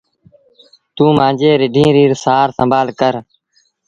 توٚنٚ مآݩجيٚ رڍينٚ ريٚ سآر سنڀآر ڪر۔